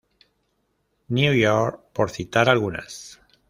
New York, por citar algunas.